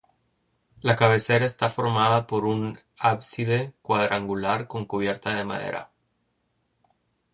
La cabecera está formada por un ábside cuadrangular con cubierta de madera.